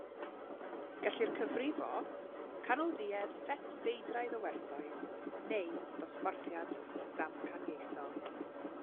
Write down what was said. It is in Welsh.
Gellir cyfrifo canolduedd set feidraidd o werthoedd neu ddosbarthiad damcaniaethol.